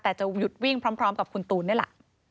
แต่จะหยุดวิ่งพร้อมกับคุณตูนนี่แหละ